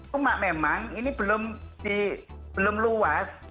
cuma memang ini belum luas